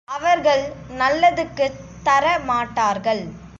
அவர்கள் நல்லதுக்குத் தரமாட்டார்கள்.